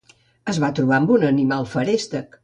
Es va trobar amb un animal feréstec.